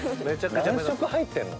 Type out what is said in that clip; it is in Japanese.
何色入ってんの？